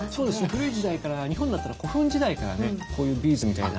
古い時代から日本だったらこういうビーズみたいな。